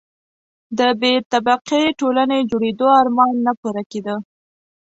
د بې طبقې ټولنې جوړېدو آرمان نه پوره کېده.